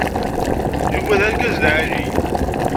Yuba d argaz n lεali.